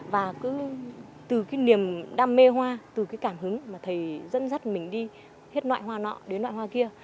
và cứ từ cái niềm đam mê hoa từ cái cảm hứng mà thầy dẫn dắt mình đi hết loại hoa nọ đến loại hoa kia